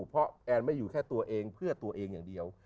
เพราะแอนไม่อยู่แค่ตัวเองเพื่อตัวเองอย่างเดียว